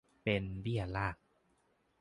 เป็นเบี้ยล่าง